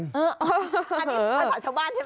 อันนี้ภาษาชาวบ้านใช่ไหม